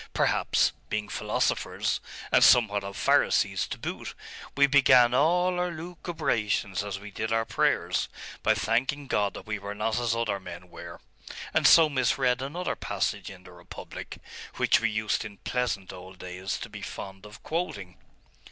Perhaps, being philosophers, and somewhat of Pharisees to boot, we began all our lucubrations as we did our prayers, by thanking God that we were not as other men were; and so misread another passage in the Republic, which we used in pleasant old days to be fond of quoting.